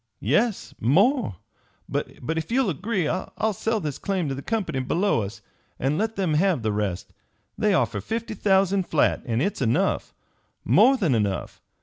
"Yes, more. But if you'll agree, I'll sell this claim to the company below us and let them have the rest. They offer fifty thousand flat, and it's enough more than enough.